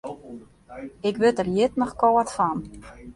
Ik wurd der hjit noch kâld fan.